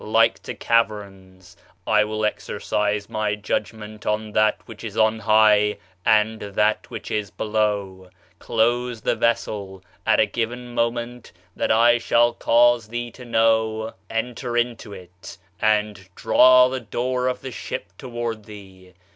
... like to caverns ...... I will exercise my judgment on that which is on high and that which is below ...... Close the vessel ...... At a given moment that I shall cause thee to know, enter into it, and draw the door of the ship toward thee.